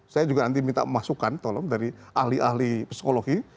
saya juga nanti minta masukan tolong dari ahli ahli psikologi